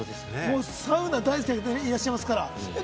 サウナ大好きな方がいらっしゃいますから。